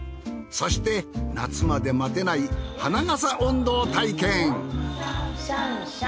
そして夏まで待てない花笠音頭を体験。